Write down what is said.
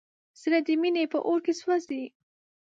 زړه د مینې په اور کې سوځي.